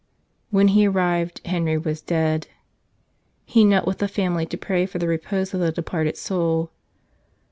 When he arrived Henry was dead. He knelt with the family to pray for the repose of the departed soul.